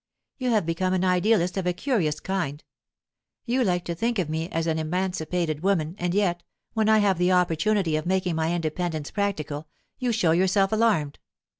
You have become an idealist of a curious kind; you like to think of me as an emancipated woman, and yet, when I have the opportunity of making my independence practical, you show yourself alarmed.